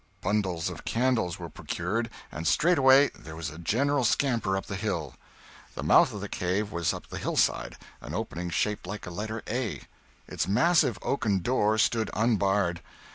Bundles of candles were procured, and straightway there was a general scamper up the hill. The mouth of the cave was up the hillside—an opening shaped like a letter A. Its massive oaken door stood unbarred.